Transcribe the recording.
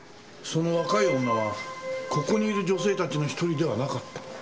その若い女はここにいる女性たちの一人ではなかった？